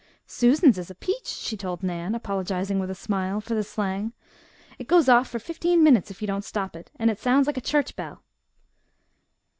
"Susan's is a peach," she told Nan, apologizing with a smile, for the slang. "It goes off for fifteen minutes if you don't stop it, and it sounds like a church bell."